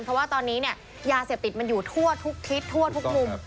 เพราะว่าตอนนี้เนี่ยยาเสพติดมันอยู่ทั่วทุกทิศทั่วทุกมุม